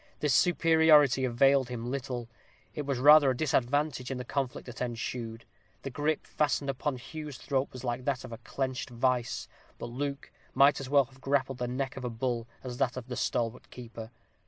This superiority availed him little. It was rather a disadvantage in the conflict that ensued. The gripe fastened upon Hugh's throat was like that of a clenched vice. But Luke might as well have grappled the neck of a bull, as that of the stalwart keeper.